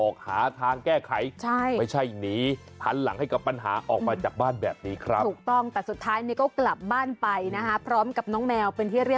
ขนนักแข้งร่วงหมดเลย